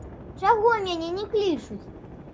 Чаго мяне не клічуць?